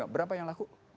berapa yang laku